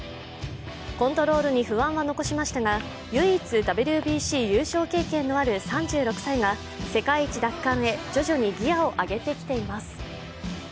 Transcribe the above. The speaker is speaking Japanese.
コントロールに不安は残しましたが、唯一、ＷＢＣ優勝経験のある３６歳が世界一奪還へ徐々にギヤを上げてきています。